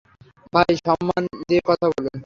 ভাই, সন্মান দিয়ে কথা বলুন।